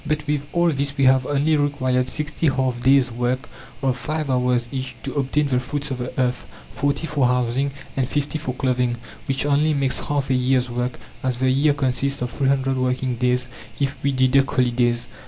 But with all this we have only required 60 half days' work of 5 hours each to obtain the fruits of the earth, 40 for housing, and 50 for clothing, which only makes half a year's work, as the year consists of 300 working days if we deduct holidays.